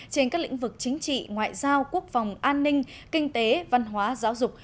trên các lĩnh vực chính trị ngoại giao quốc phòng an ninh kinh tế văn hóa giáo dục